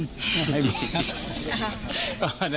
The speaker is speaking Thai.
อะไรบีครับ